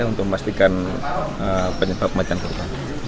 untuk memastikan penyebab pembacaan kerupaan